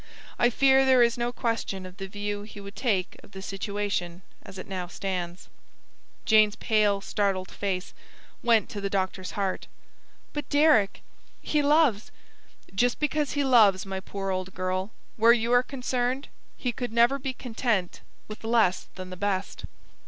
I fear there is no question of the view he would take of the situation as it now stands." Jane's pale, startled face went to the doctor's heart. "But Deryck he loves " "Just because he loves, my poor old girl, where you are concerned he could never be content with less than the best."